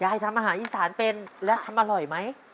ทำอาหารอีสานเป็นแล้วทำอร่อยไหม